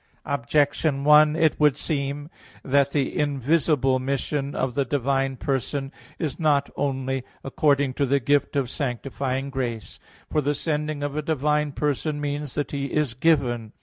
Objection 1: It would seem that the invisible mission of the divine person is not only according to the gift of sanctifying grace. For the sending of a divine person means that He is given.